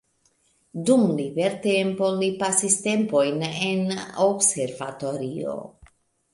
Dum libertempo li pasis tempojn en observatorio.